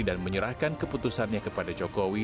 dan menyerahkan keputusannya kepada jokowi